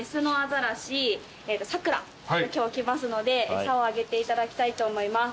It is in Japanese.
今日来ますので餌をあげていただきたいと思います。